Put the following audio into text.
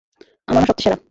আমার মা সবচেয়ে সেরা।